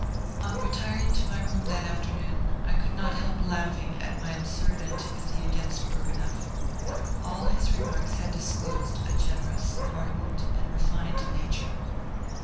On retiring to my room that afternoon I could not help laughing at my absurd antipathy against Bourgonef. All his remarks had disclosed a generous, ardent, and refined nature.